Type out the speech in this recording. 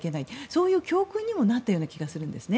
そういう教訓にもなったような気がするんですね。